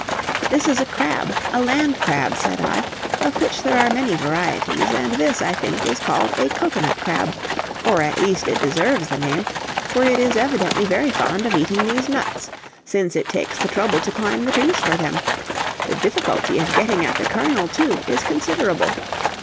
"This is a crab, a land crab," said I, "of which there are many varieties, and this, I think, is called a cocoanut crab, or at least it deserves the name, for it is evidently very fond of eating these nuts, since it takes the trouble to climb the trees for them; the difficulty of getting at the kernel, too, is considerable.